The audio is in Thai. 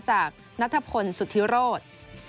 จากนัทพลสุธิโรธ